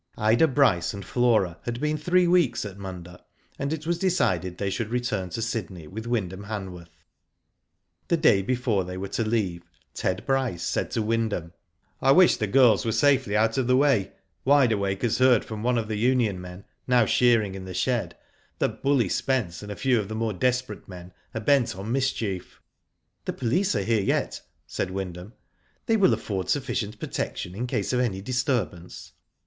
Ida Bryce and Flora had been three weeks at Munda, and it was decided they should return to Sydney with Wyndham Hanworth. The day before they were to leave Ted Bryce said to Wyndham : Digitized byGoogk AT MUNDA AGAIN. i^ " I wish the girls were safely out of the way. Wide Awake has heard from one of the Union men, now shearing in the shed, that Bully Spence and a few of the more desperate men are bent on mischief/' " The police are here yet/' said Wyndham. "They will afford sufficient protection in case of any disturbance."